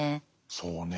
そうね。